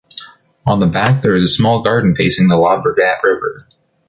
On the back there is a small garden facing the Llobregat river.